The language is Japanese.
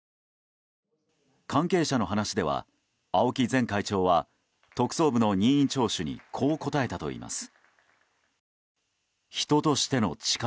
関係者の話では青木前会長は特捜部の任意聴取にこう答えたといいます。